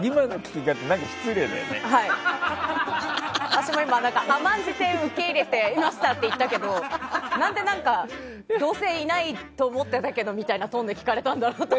私も今、甘んじて受け入れていましたって言ったけど何で、どうせいないと思ってたけどみたいなトーンで聞かれたんだろうて。